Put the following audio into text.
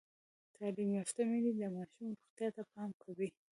تعلیم یافته میندې د ماشوم روغتیا ته پام کوي۔